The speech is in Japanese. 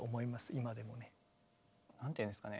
今でもね。なんていうんですかね